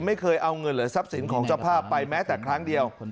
ไม่เคยเอาเงินหรือทรัพย์สินของเจ้าภาพไปแม้แต่ครั้งเดียว